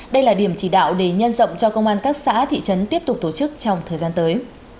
đây là điểm chỉ đạo để nhân rộng cho công an các xã thị trấn tiếp tục tổ chức trong thời gian tới